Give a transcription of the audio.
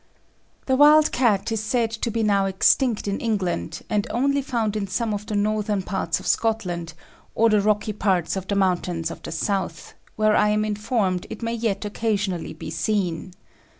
The wild cat is said to be now extinct in England, and only found in some of the northern parts of Scotland, or the rocky parts of the mountains of the south, where I am informed it may yet occasionally be seen.